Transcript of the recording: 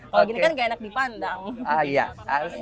kalau gini kan gak enak dipandang